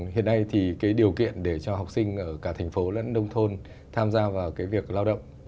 hiện nay thì cái điều kiện để cho học sinh ở cả thành phố lẫn nông thôn tham gia vào cái việc lao động